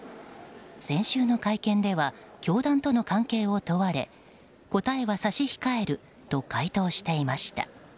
先週の会見では教団との関係を問われ答えは差し控えると回答していました。